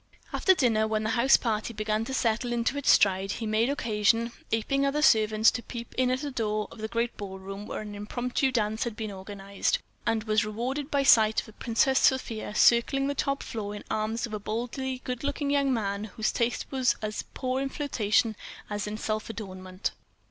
After dinner, when the house party began to settle into its stride, he made occasion, aping the other servants, to peep in at a door of the great ballroom, where an impromptu dance had been organized; and was rewarded by sight of the Princess Sofia circling the floor in the arms of a boldly good looking young man whose taste was as poor in flirtation as in self adornment.